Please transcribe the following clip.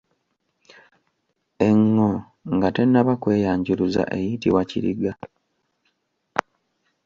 Eŋŋo nga tennaba kweyanjuluza eyitibwa Kiriga.